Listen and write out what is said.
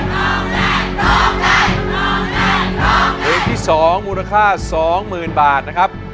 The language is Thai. เพลงที่๒มูลค่า๒๐๐๐บาทนะครับ